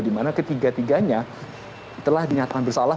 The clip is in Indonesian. di mana ketiga tiganya telah dinyatakan bersalah